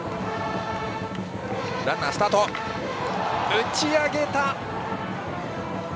打ち上げた！